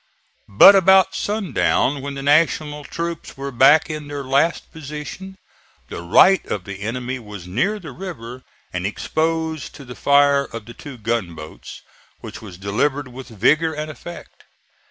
But about sundown, when the National troops were back in their last position, the right of the enemy was near the river and exposed to the fire of the two gun boats, which was delivered with vigor and effect.